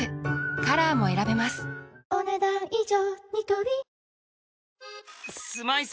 カラーも選べますお、ねだん以上。